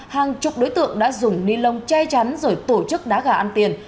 hàng chục đối tượng đã dùng ni lông che chắn rồi tổ chức đá gà ăn tiền